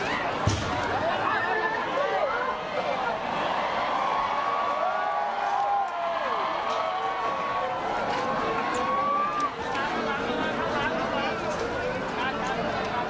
วิทยาลัยเมริกาวิทยาลัยเมริกา